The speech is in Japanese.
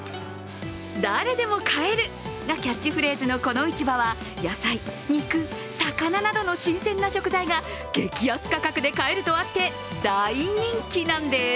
「誰でも買える！」がキャッチフレーズのこの市場は野菜、肉、魚などの新鮮な食材が激安価格で買えるとあって大人気なんです。